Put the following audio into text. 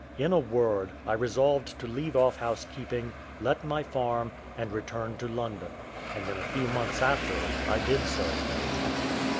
In a word, I resolved to leave off housekeeping, let my farm, and return to London; and in a few months after I did so.